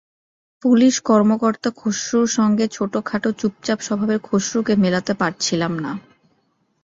Police কর্মকর্তা খসরুর সঙ্গে ছোটখাটো চুপচাপ স্বভাবের খসরুকে মেলাতে পারছিলাম না।